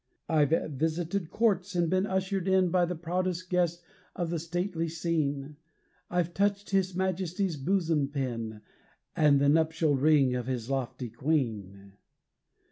I've visited courts, and been ushered in By the proudest guest of the stately scene; I've touched his majesty's bosom pin, And the nuptial ring of his lofty queen.